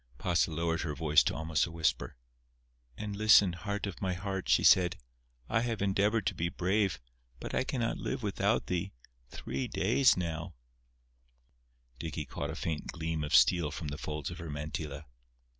Pasa lowered her voice to almost a whisper. "And, listen, heart of my heart," she said, "I have endeavoured to be brave, but I cannot live without thee. Three days now—" Dicky caught a faint gleam of steel from the folds of her mantilla.